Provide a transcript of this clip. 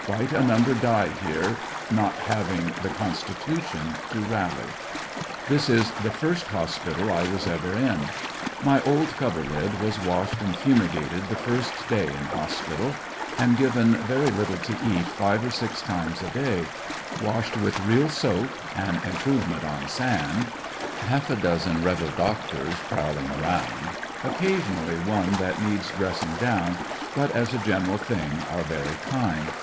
Quite a number die here not hav ing the constitution to rally. This is the first hospital I was ever 98 ANDERSONVILLE DIARY. in. My old coverlid was washed and fumigated the first day in hospital. Am given very little to eat five or six times a day; wash ed with real soap, an improvement on sand. Half a dozen rebel doctDrs prowling around, occasionally one that needs dressing down, but as a general thing are very kind.